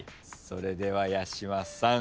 それでは八嶋さん